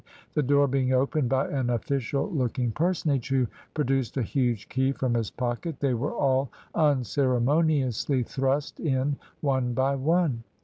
The door being opened by an official looking personage, who produced a huge key from his pocket, they were all unceremoniously thrust in one by one.